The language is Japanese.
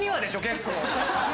結構。